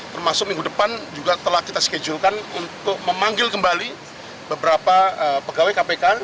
termasuk minggu depan juga telah kita schedulekan untuk memanggil kembali beberapa pegawai kpk